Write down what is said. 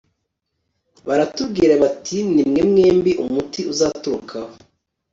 baratubwira bati ni mwe mwembi umuti uzaturukaho